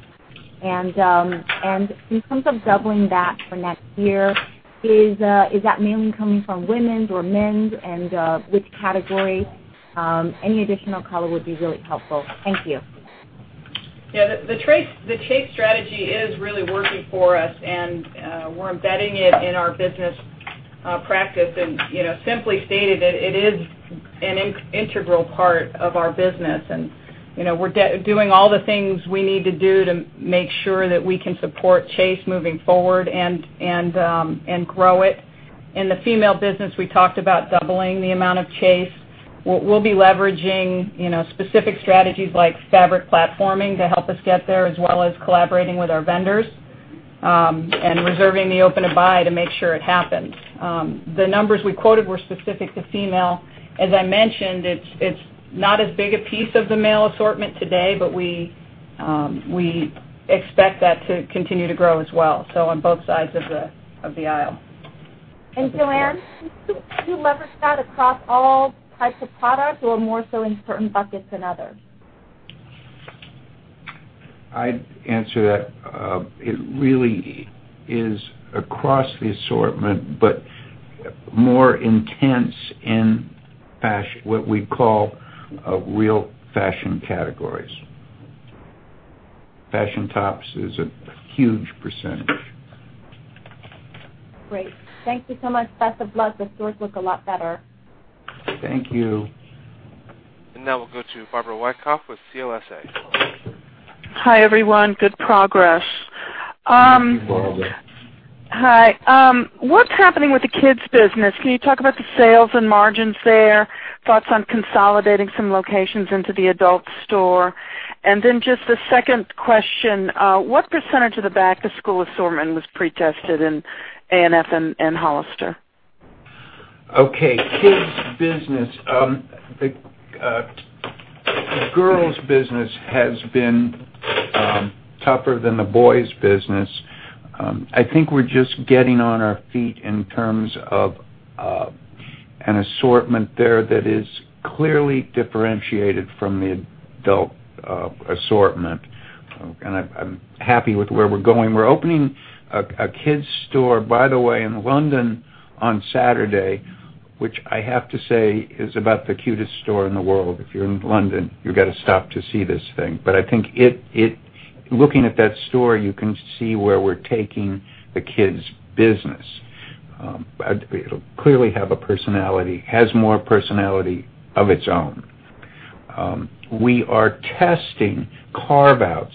In terms of doubling that for next year, is that mainly coming from women's or men's and which category? Any additional color would be really helpful. Thank you. Yeah, the Chase strategy is really working for us, we're embedding it in our business practice and simply stated that it is an integral part of our business. We're doing all the things we need to do to make sure that we can support Chase moving forward and grow it. In the female business, we talked about doubling the amount of Chase. We'll be leveraging specific strategies like fabric platforming to help us get there, as well as collaborating with our vendors, and reserving the open to buy to make sure it happens. The numbers we quoted were specific to female. As I mentioned, it's not as big a piece of the male assortment today, but we expect that to continue to grow as well, so on both sides of the aisle. Joanne, do you leverage that across all types of products or more so in certain buckets than others? I'd answer that. It really is across the assortment, but more intense in what we call real fashion categories. Fashion tops is a huge percentage. Great. Thank you so much. Best of luck. The stores look a lot better. Thank you. Now we'll go to Barbara Wyckoff with CLSA. Hi, everyone. Good progress. Thank you, Barbara. Hi. What's happening with the kids business? Can you talk about the sales and margins there, thoughts on consolidating some locations into the adult store? Just a second question. What % of the back-to-school assortment was pre-tested in A&F and Hollister? Okay. Kids business. The girls business has been tougher than the boys business. I think we're just getting on our feet in terms of an assortment there that is clearly differentiated from the adult assortment, and I'm happy with where we're going. We're opening a kids store, by the way, in London on Saturday. Which I have to say is about the cutest store in the world. If you're in London, you've got to stop to see this thing. I think looking at that store, you can see where we're taking the kids' business. It'll clearly have a personality, has more personality of its own. We are testing carve-outs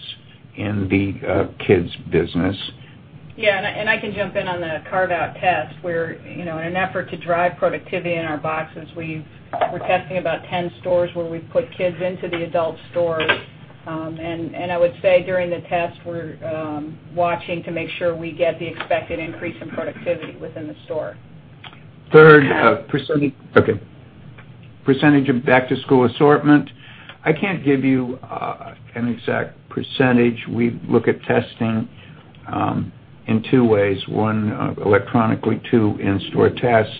in the kids business. Yeah, I can jump in on the carve-out test where, in an effort to drive productivity in our boxes, we're testing about 10 stores where we've put kids into the adult stores. I would say, during the test, we're watching to make sure we get the expected increase in productivity within the store. Third, % of back-to-school assortment. I can't give you an exact %. We look at testing in two ways. One, electronically. Two, in-store test.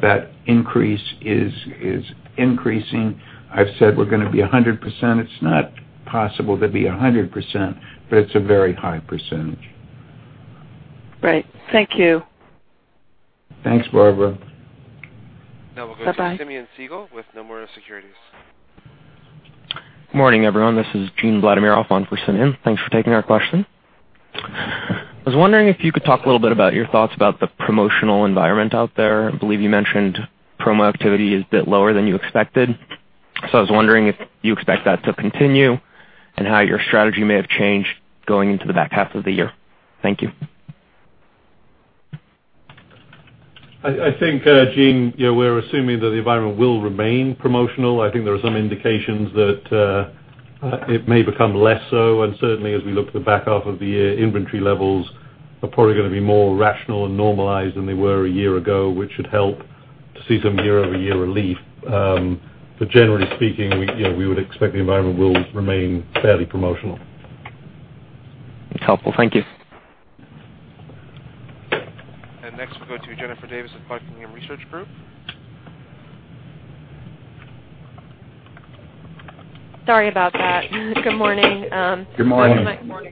That increase is increasing. I've said we're going to be 100%. It's not possible to be 100%, but it's a very high %. Right. Thank you. Thanks, Barbara. Bye-bye. Now we'll go to Simeon Siegel with Nomura Securities. Good morning, everyone. This is Gene Vladimirov off on for Simeon. Thanks for taking our question. I was wondering if you could talk a little bit about your thoughts about the promotional environment out there. I believe you mentioned promo activity is a bit lower than you expected. I was wondering if you expect that to continue and how your strategy may have changed going into the back half of the year. Thank you. I think, Gene, we're assuming that the environment will remain promotional. I think there are some indications that it may become less so. Certainly, as we look at the back half of the year, inventory levels are probably going to be more rational and normalized than they were a year ago, which should help to see some year-over-year relief. Generally speaking, we would expect the environment will remain fairly promotional. Helpful. Thank you. Next, we'll go to Jennifer Davis with Buckingham Research Group. Sorry about that. Good morning. Good morning.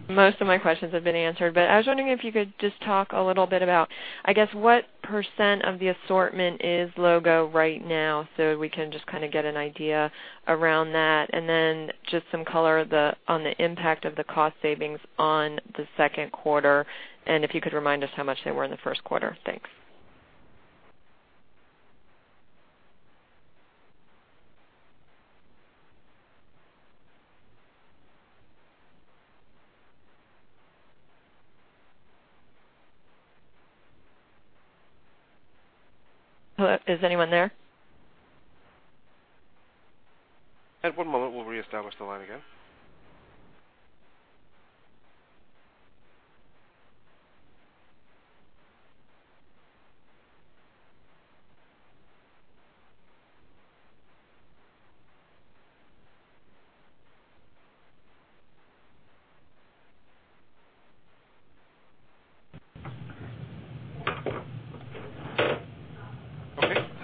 Most of my questions have been answered. I was wondering if you could just talk a little bit about, I guess, what % of the assortment is logo right now, so we can just kind of get an idea around that. Just some color on the impact of the cost savings on the second quarter, and if you could remind us how much they were in the first quarter. Thanks. Hello, is anyone there? One moment. We'll reestablish the line again.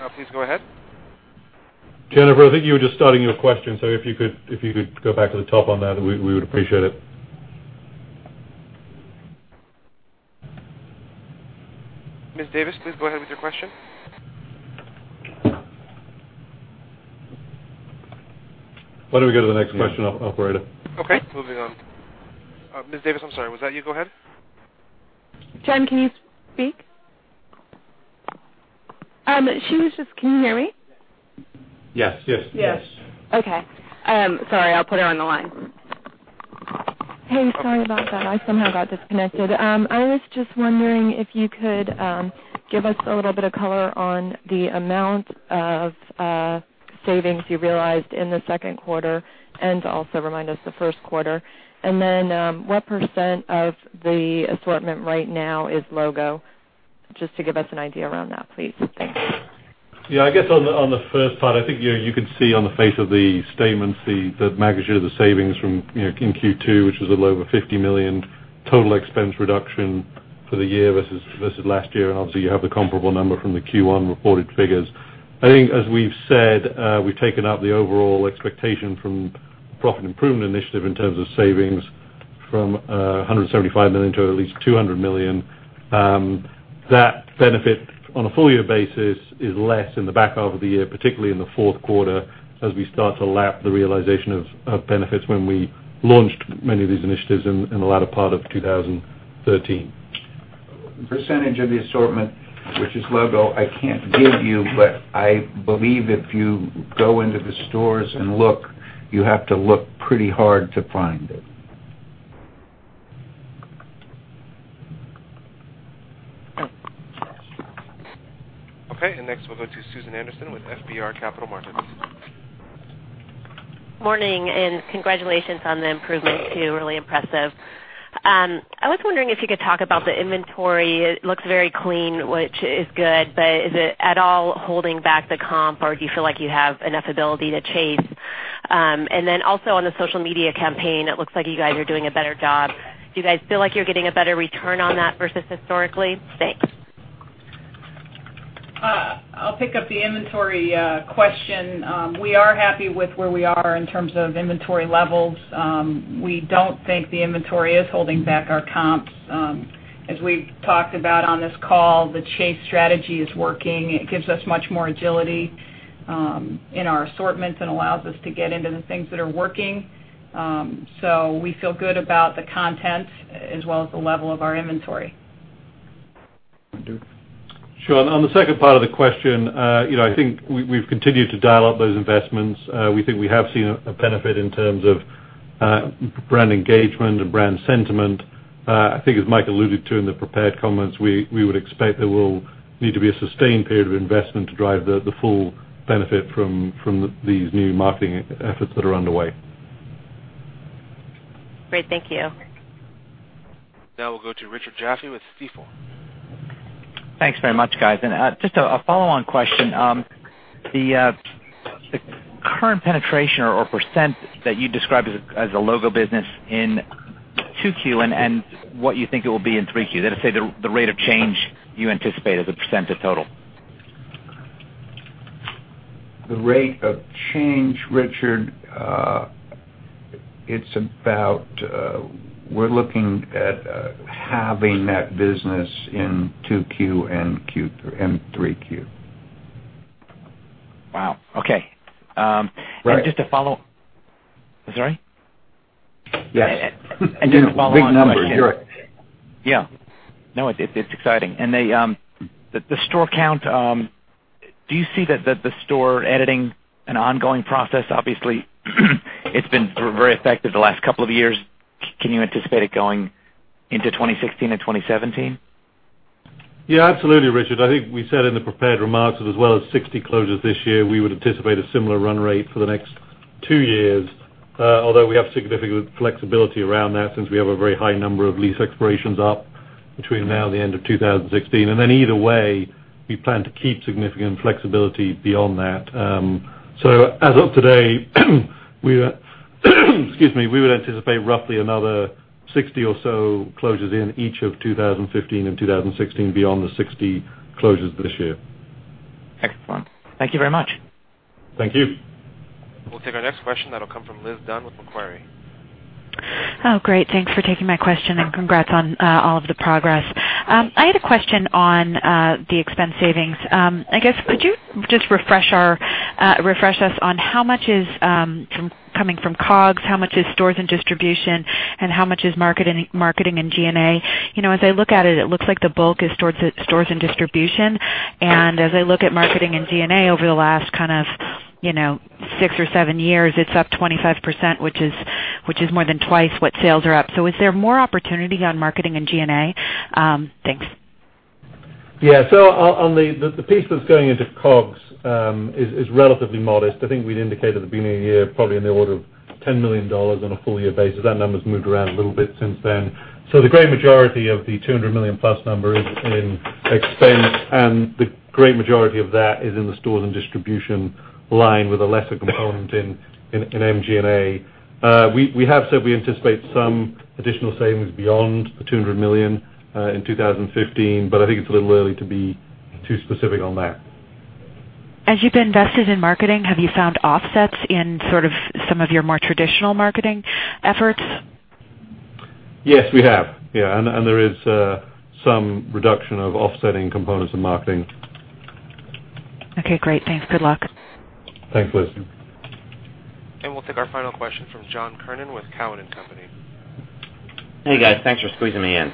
Okay. Please go ahead. Jennifer, I think you were just starting your question, if you could go back to the top on that, we would appreciate it. Ms. Davis, please go ahead with your question. Why don't we go to the next question, operator? Okay, moving on. Ms. Davis, I'm sorry. Was that you? Go ahead. Jen, can you speak? She was just-- Can you hear me? Yes. Yes. Okay. Sorry, I'll put her on the line. Hey, sorry about that. I somehow got disconnected. I was just wondering if you could give us a little bit of color on the amount of savings you realized in the second quarter, also remind us the first quarter. Then, what % of the assortment right now is logo? Just to give us an idea around that, please. Thanks. Yeah, I guess on the first part, I think you can see on the face of the statements the magnitude of the savings in Q2, which is a little over $50 million total expense reduction for the year versus last year. Obviously you have the comparable number from the Q1 reported figures. I think as we've said, we've taken up the overall expectation from profit improvement initiative in terms of savings from $175 million to at least $200 million. That benefit on a full-year basis is less in the back half of the year, particularly in the fourth quarter, as we start to lap the realization of benefits when we launched many of these initiatives in the latter part of 2013. Percentage of the assortment, which is logo, I can't give you, but I believe if you go into the stores and look, you have to look pretty hard to find it. Okay. Next we'll go to Susan Anderson with FBR Capital Markets. Morning. Congratulations on the improvements. They're really impressive. I was wondering if you could talk about the inventory. It looks very clean, which is good, but is it at all holding back the comp, or do you feel like you have enough ability to chase? Also on the social media campaign, it looks like you guys are doing a better job. Do you guys feel like you're getting a better return on that versus historically? Thanks. I'll pick up the inventory question. We are happy with where we are in terms of inventory levels. We don't think the inventory is holding back our comps. As we've talked about on this call, the chase strategy is working. It gives us much more agility in our assortments and allows us to get into the things that are working. We feel good about the content as well as the level of our inventory. Sure. On the second part of the question, I think we've continued to dial up those investments. We think we have seen a benefit in terms of brand engagement and brand sentiment. I think as Mike alluded to in the prepared comments, we would expect there will need to be a sustained period of investment to drive the full benefit from these new marketing efforts that are underway. Great. Thank you. We'll go to Richard Jaffe with Stifel. Thanks very much, guys. Just a follow-on question. The current penetration or % that you described as a logo business in 2Q and what you think it will be in 3Q. That is to say, the rate of change you anticipate as a % of total. The rate of change, Richard, we're looking at halving that business in 2Q and 3Q. Wow, okay. Right. Just to follow I'm sorry? Yes. Just to follow. Big numbers. Sure. Yeah. No, it's exciting. The store count, do you see that the store editing an ongoing process, obviously it's been very effective the last couple of years. Can you anticipate it going into 2016 and 2017? Yeah, absolutely, Richard. I think we said in the prepared remarks that as well as 60 closures this year, we would anticipate a similar run rate for the next two years. Although we have significant flexibility around that since we have a very high number of lease expirations up between now and the end of 2016. Either way, we plan to keep significant flexibility beyond that. As of today, we would anticipate roughly another 60 or so closures in each of 2015 and 2016 beyond the 60 closures this year. Excellent. Thank you very much. Thank you. We'll take our next question that'll come from Liz Dunn with Macquarie. Great. Thanks for taking my question and congrats on all of the progress. I had a question on the expense savings. I guess, could you just refresh us on how much is coming from COGS, how much is stores and distribution, and how much is marketing and G&A? As I look at it looks like the bulk is towards stores and distribution. As I look at marketing and G&A over the last kind of six or seven years, it's up 25%, which is more than twice what sales are up. Is there more opportunity on marketing and G&A? Thanks. On the piece that's going into COGS is relatively modest. I think we'd indicated at the beginning of the year, probably in the order of $10 million on a full-year basis. That number's moved around a little bit since then. The great majority of the $200 million plus number is in expense, and the great majority of that is in the stores and distribution line with a lesser component in MG&A. We have said we anticipate some additional savings beyond the $200 million in 2015, but I think it's a little early to be too specific on that. As you've invested in marketing, have you found offsets in sort of some of your more traditional marketing efforts? Yes, we have. Yeah. There is some reduction of offsetting components of marketing. Okay, great. Thanks. Good luck. Thanks, Liz. We'll take our final question from John Kernan with Cowen and Company. Hey, guys. Thanks for squeezing me in.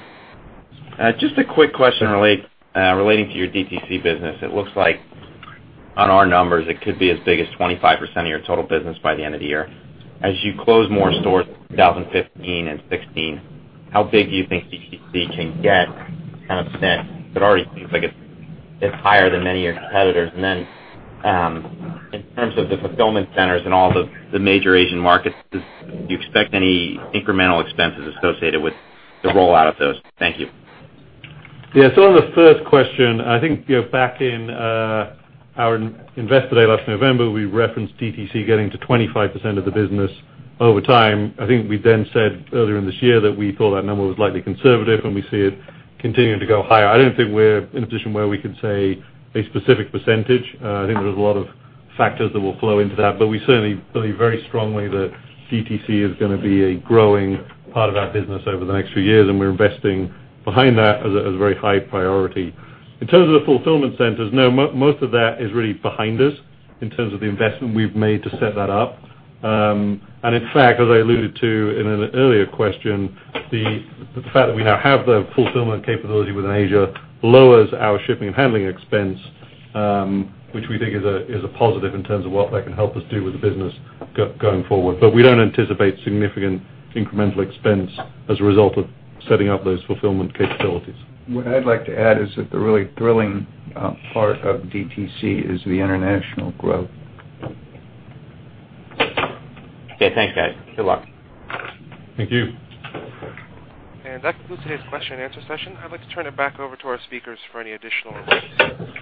Just a quick question relating to your DTC business. It looks like on our numbers, it could be as big as 25% of your total business by the end of the year. As you close more stores in 2015 and 2016, how big do you think DTC can get as a %? Then, in terms of the fulfillment centers in all the major Asian markets, do you expect any incremental expenses associated with the rollout of those? Thank you. Yeah. On the first question, I think back in our Investor Day last November, we referenced DTC getting to 25% of the business over time. I think we said earlier in this year that we thought that number was likely conservative, and we see it continuing to go higher. I don't think we're in a position where we could say a specific percentage. I think there's a lot of factors that will flow into that, we certainly believe very strongly that DTC is going to be a growing part of our business over the next few years, and we're investing behind that as a very high priority. In terms of the fulfillment centers, no, most of that is really behind us in terms of the investment we've made to set that up. In fact, as I alluded to in an earlier question, the fact that we now have the fulfillment capability within Asia lowers our shipping and handling expense, which we think is a positive in terms of what that can help us do with the business going forward. We don't anticipate significant incremental expense as a result of setting up those fulfillment capabilities. What I'd like to add is that the really thrilling part of DTC is the international growth. Okay. Thanks, guys. Good luck. Thank you. That concludes today's question and answer session. I'd like to turn it back over to our speakers for any additional remarks.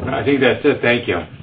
I think that's it. Thank you.